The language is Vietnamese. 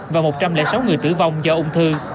và một trăm linh sáu người tử vong do ung thư